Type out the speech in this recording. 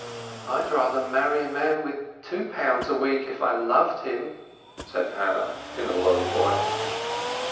"I'd rather marry a man with two pounds a week if I loved him," said Hannah in a low tone.